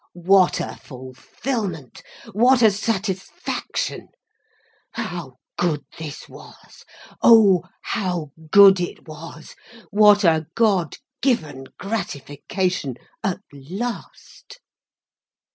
What a fulfilment, what a satisfaction! How good this was, oh how good it was, what a God given gratification, at last!